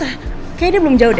kayaknya dia belum jauh deh